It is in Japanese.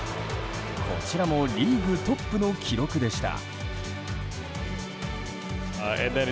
こちらもリーグトップの記録でした。